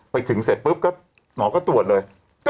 ไปถึงเสร็จน้องก็ตรวจเลย